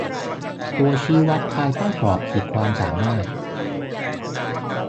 ตัวชี้วัดภายใต้กรอบขีดความสามารถ